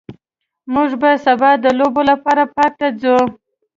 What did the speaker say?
موږ به سبا د لوبو لپاره پارک ته ځو